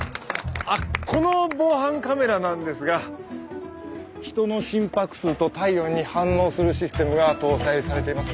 あっこの防犯カメラなんですが人の心拍数と体温に反応するシステムが搭載されています。